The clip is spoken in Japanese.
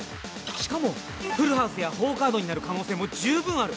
しかもフルハウスや４カードになる可能性もじゅうぶんある。